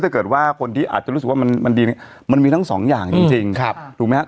ถ้าเกิดว่าคนที่อาจจะรู้สึกว่ามันดีมันมีทั้งสองอย่างจริงถูกไหมครับ